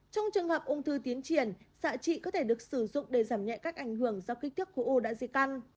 trong trường hợp ung thư tiến triển xạ trị có thể được sử dụng để giảm nhẹ các ảnh hưởng do kích thước khối u đã di căn